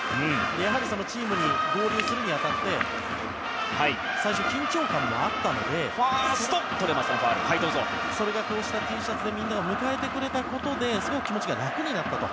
やはりチームに合流するに当たり最初、緊張感もあったのでそれが、こうしたＴシャツでみんなが迎えてくれたことですごく気持ちが楽になったと。